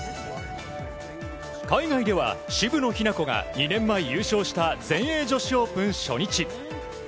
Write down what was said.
海外では渋野日向子が２年前優勝した全英女子オープン初日。